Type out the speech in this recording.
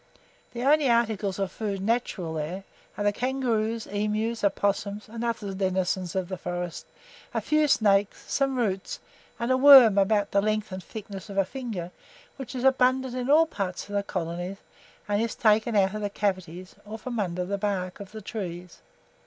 The only articles of food natural there, are the kangaroos, emus, opossums, and other denizens of the forest, a few snakes, some roots, and a worm, about the length and thickness of a finger, which is abundant in all parts of the colony, and is taken out of the cavities, or from under the bark, of the trees.